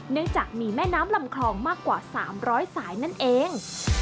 เนื่องจากมีแม่น้ำลำคลองมากกว่า๓๐๐สายนั่นเอง